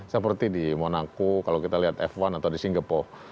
seperti di monaco kalau kita lihat f satu atau di singapura